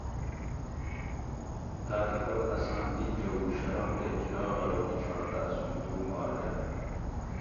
تاتہ پت اساں دی جھوؤ شرنگ تے چراغ ارو ایچھاٹ تہ اسوں دو مارجن